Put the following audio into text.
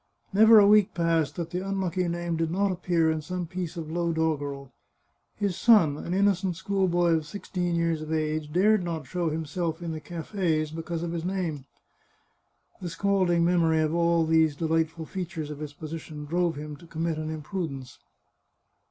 Never a week passed that the unlucky name did not appear in some piece of low dog gerel. His son, an innocent schoolboy of sixteen years of age, dared not show himself in the cafes because of his name. The scalding memory of all these delightful features of his position drove him to commit an imprudence.